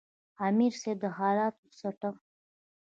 امیر صېب د حالاتو ستم،